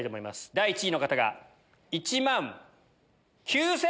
第１位の方が１万９千。